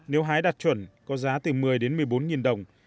nếu hái đạt chuẩn có giá từ một mươi đến một mươi bốn nghìn đồng